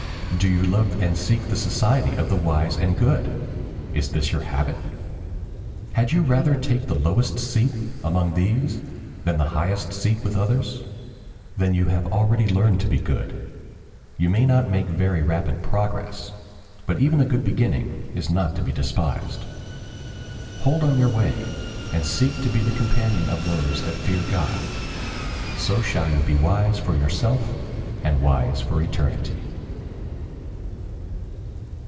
Do you love and seek the society of the wise and good? Is this your habit? Had you rather take the lowest seat among these than the highest seat with others? Then you have already learned to be good. You may not make very rapid progress, but even a good beginning is not to be despised. Hold on your way, and seek to be the companion of those that fear God. So shall you be wise for yourself and wise for eternity.